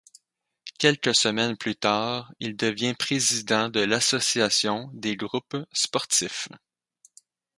Quelques semaines plus tard, il devient président de l'Association des groupes sportifs.